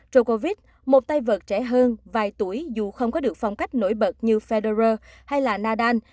djokovic một tay vợt trẻ hơn vài tuổi dù không có được phong cách nổi bật như federer hay là nadal